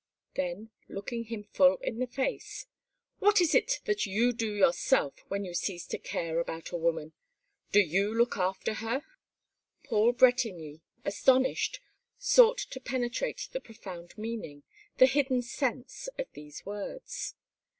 Then, looking him full in the face: "What is it that you do yourself when you cease to care about a woman? Do you look after her?" Paul Bretigny, astonished, sought to penetrate the profound meaning, the hidden sense, of these words.